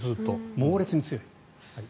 猛烈に強い。